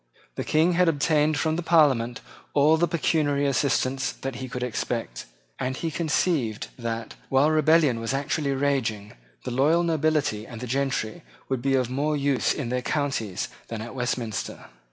The King had obtained from the Parliament all the pecuniary assistance that he could expect; and he conceived that, while rebellion was actually raging, the loyal nobility and gentry would be of more use in their counties than at Westminster.